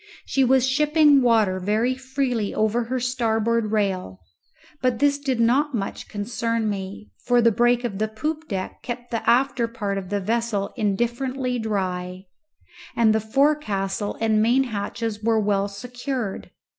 She was shipping water very freely over her starboard rail, but this did not much concern me, for the break of the poop deck kept the after part of the vessel indifferently dry, and the forecastle and main hatches were well secured.